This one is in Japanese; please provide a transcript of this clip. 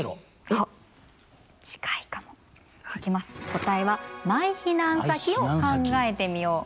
答えは「マイ避難先を考えてみよう！」。